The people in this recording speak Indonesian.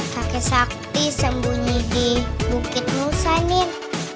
kakek sakti sembunyi di bukit musa nih